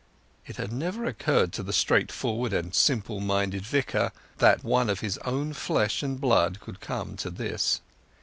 It had never occurred to the straightforward and simple minded Vicar that one of his own flesh and blood could come to this!